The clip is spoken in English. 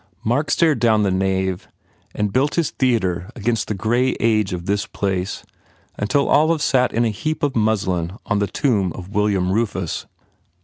... Mark stared down the nave and built his theatre against the grey age of this place until Olive sat in a heap of muslin on the tomb of William Rufus.